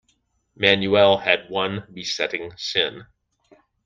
Manuel had one besetting sin.